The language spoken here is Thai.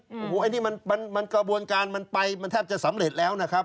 โอ้โหอันนี้มันกระบวนการมันไปมันแทบจะสำเร็จแล้วนะครับ